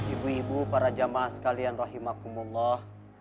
ibu ibu para jamaah sekalian rahimahkumullah